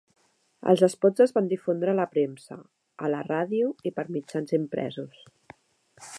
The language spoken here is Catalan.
Els espots es van difondre a la premsa, a la ràdio i per mitjans impresos.